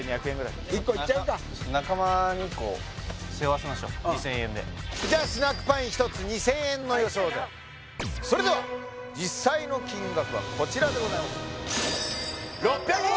１個いっちゃうか２０００円でじゃスナックパイン１つ２０００円の予想でそれでは実際の金額はこちらでございます６５０円！